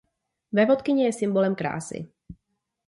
Vévodkyně je symbolem krásy.